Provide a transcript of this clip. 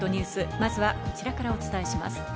まずはこちらからお伝えします。